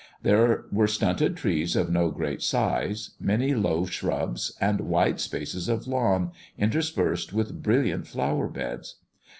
There were stunted trees of no great size, many low shrubs, and wide spaces of lawn, interspersed with brilliant flower beds.